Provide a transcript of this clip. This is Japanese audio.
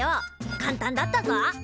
簡単だったぞ。